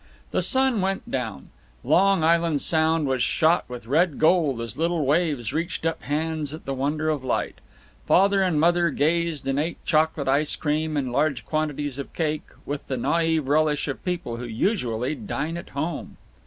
The sun went down; Long Island Sound was shot with red gold as little waves reached up hands at the wonder of light. Father and Mother gazed and ate chocolate ice cream and large quantities of cake, with the naïve relish of people who usually dine at home.